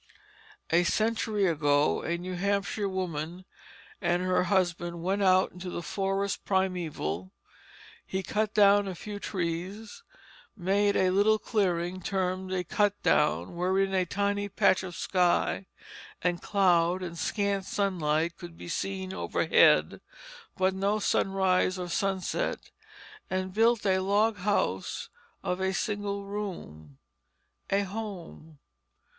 A century ago a New Hampshire woman and her husband went out into the forest primeval; he cut down a few trees, made a little clearing termed a cut down wherein a tiny patch of sky and cloud and scant sunlight could be seen overhead, but no sunrise or sunset, and built a log house of a single room a home.